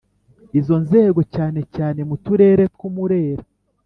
izo nzego cyanecyane mu turere tw u Murera